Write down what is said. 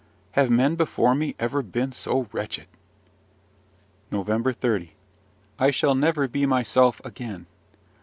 Have men before me ever been so wretched? NOVEMBER 30. I shall never be myself again!